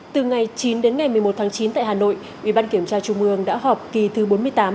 từ ngày chín đến ngày một mươi một tháng chín tại hà nội ủy ban kiểm tra trung ương đã họp kỳ thứ bốn mươi tám